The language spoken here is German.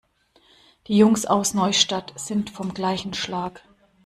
Die Jungs aus Neustadt sind vom gleichen Schlag.